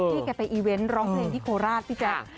แกไปอีเวนต์ร้องเพลงที่โคราชพี่แจ๊ค